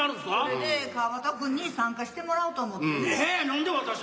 それで川畑君に参加してもらおうと思ってね。